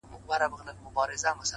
• لاره ورکه سوه له سپي او له څښتنه,